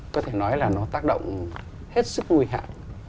có thể nói là nó tác động hết sức nguy hại